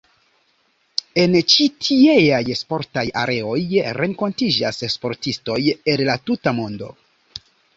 En ĉi tieaj sportaj areoj renkontiĝas sportistoj el la tuta mondo.